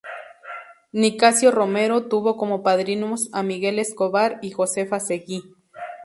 Nicasio Romero, tuvo como padrinos a Miguel Escobar y Josefa Seguí.